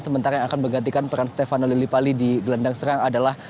sementara yang akan menggantikan peran stefano lillipali di gelandang serang adalah